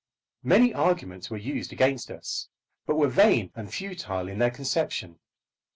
Many arguments were used against us, but were vain and futile in their conception.